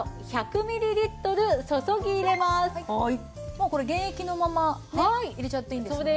もうこれ原液のまま入れちゃっていいんですよね？